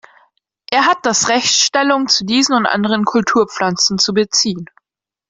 Er hat das Recht, Stellung zu diesen und anderen Kulturpflanzen zu beziehen.